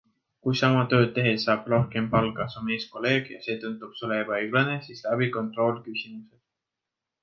Kui sama tööd tehes saab rohkem palka su meeskolleeg, ja see tundub sulle ebaõiglane, siis läbi kontrollküsimused.